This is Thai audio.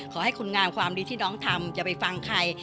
ขอให้คุณงามความดีที่น้องทำจะไปฟังใคร